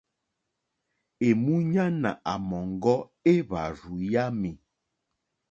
Èmúɲánà àmɔ̀ŋɡɔ́ éhwàrzù yámì.